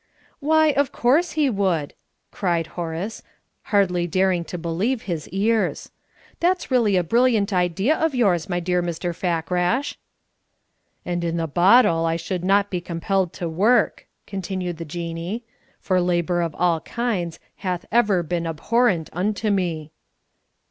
"Why, of course he would!" cried Horace, hardly daring to believe his ears. "That's really a brilliant idea of yours, my dear Mr. Fakrash." "And in the bottle I should not be compelled to work," continued the Jinnee. "For labour of all kinds hath ever been abhorrent unto me."